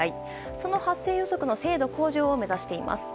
その発生予測の精度向上を目指しています。